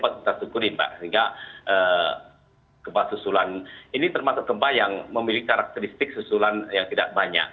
kita syukurin pak sehingga gempa susulan ini termasuk gempa yang memiliki karakteristik susulan yang tidak banyak